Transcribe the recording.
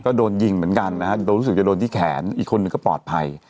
ก็โดนยิงเหมือนกันนะฮะโดนรู้สึกจะโดนที่แขนอีกคนนึงก็ปลอดภัย